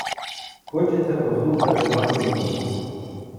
Хочеться послухати вашу думку.